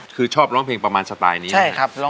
คือชอบร้องเพลงประมาณสไตล์นี้เลย